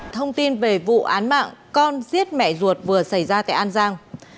thông tin về vụ án mạng con giết mẹ ruột vừa xảy ra tại an giang